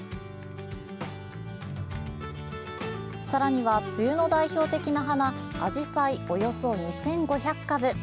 さらには梅雨の代表的な花あじさい、およそ２５００株。